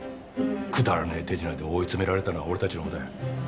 くだらねえ手品で追い詰められたのは俺たちのほうだ。